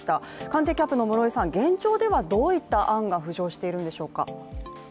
官邸キャップの室井さん、現状ではどういった案が浮上しているんでしょうか？